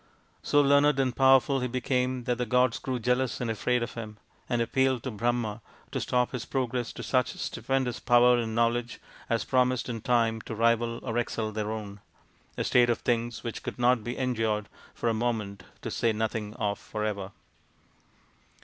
So learned and powerful he became that the gods grew jealous and afraid of him, and appealed to Brahma to stop his progress to such stupendous power and know ledge as promised in time to rival or excel their own a state of things which could not be endured for a moment, to say nothing of for ever.